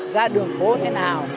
ra đường phố thế nào